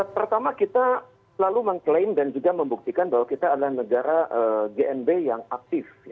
pertama kita selalu mengklaim dan juga membuktikan bahwa kita adalah negara gnb yang aktif